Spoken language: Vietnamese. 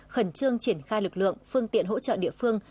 khẩn trương triển khai lực lượng phương tiện hỗ trợ địa phương